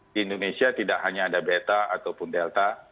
di indonesia tidak hanya ada beta ataupun delta